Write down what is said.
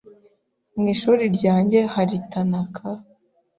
Mu ishuri ryanjye hari Tanaka.